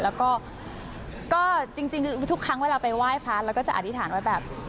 แล้วก็จริงทุกครั้งเวลาไปไหว้พระเราก็จะอธิษฐานว่าแบบ